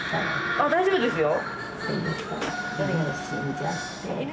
あっ大丈夫ですよ。